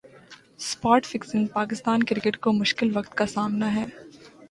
spot fixing Pakistan cricket کو مشکل وقت کا سامنا ہے